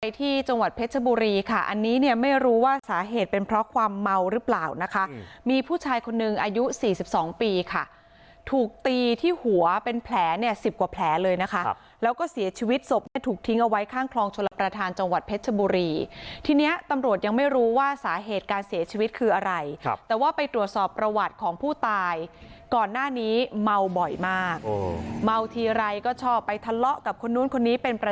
ในที่จังหวัดเพชรบุรีค่ะอันนี้เนี่ยไม่รู้ว่าสาเหตุเป็นเพราะความเมาหรือเปล่านะคะมีผู้ชายคนนึงอายุ๔๒ปีค่ะถูกตีที่หัวเป็นแผลเนี่ย๑๐กว่าแผลเลยนะคะแล้วก็เสียชีวิตศพถูกทิ้งเอาไว้ข้างคลองชลประธานจังหวัดเพชรบุรีที่นี้ตำรวจยังไม่รู้ว่าสาเหตุการเสียชีวิตคืออะไรครับแต่ว่าไปตรวจสอบประ